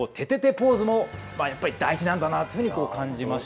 ポーズもやっぱり大事なんだなと感じました。